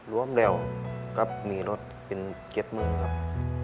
รวมแล้วก็มีรถเป็น๗๐๐๐๐ครับ